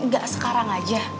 gak sekarang aja